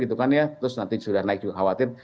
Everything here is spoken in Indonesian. terus nanti sudah naik juga khawatir